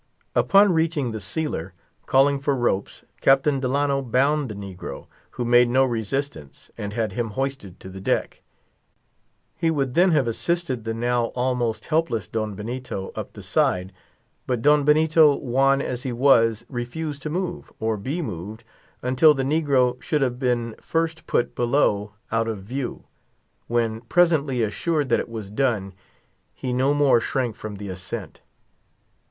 Upon reaching the sealer, calling for ropes, Captain Delano bound the negro, who made no resistance, and had him hoisted to the deck. He would then have assisted the now almost helpless Don Benito up the side; but Don Benito, wan as he was, refused to move, or be moved, until the negro should have been first put below out of view. When, presently assured that it was done, he no more shrank from the ascent.